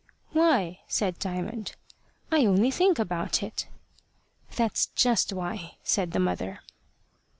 "Why?" said Diamond. "I only think about it." "That's just why," said the mother.